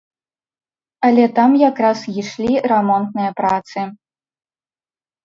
Але там якраз ішлі рамонтныя працы.